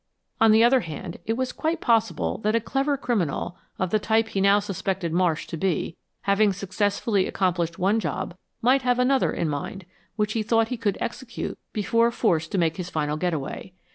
On the other hand, it was quite possible that a clever criminal, of the type he now suspected Marsh to be, having successfully accomplished one job, might have another in mind, which he thought he could execute before forced to make his final getaway.